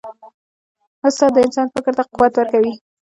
استاد د انسان فکر ته قوت ورکوي.